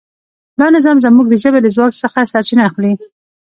دا نظام زموږ د ژبې له ځواک څخه سرچینه اخلي.